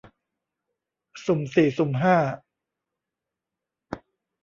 สุ่มสี่สุ่มห้า